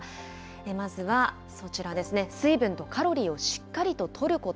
まずは、こちらですね、水分とカロリーをしっかりととること。